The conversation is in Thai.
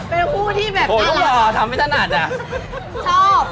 เป็นคู่ที่แบบน่ารัก